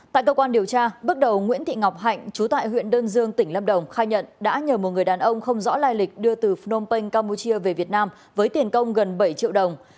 tại cơ quan điều tra bước đầu nguyễn thị ngọc hạnh trú tại huyện đơn dương tỉnh lâm đồng khai nhận đã nhờ một người đàn ông không rõ lai lịch đưa từ phnom penh campuchia về việt nam với tiền công gần bảy triệu đồng